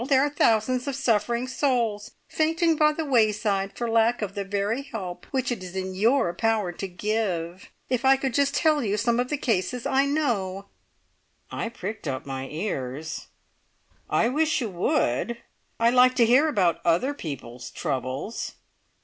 There are thousands of suffering souls fainting by the wayside for lack of the very help which it is in your power to give. If I could just tell you of some cases I know!" I pricked up my ears. "I wish you would. I like to hear about other people's troubles!"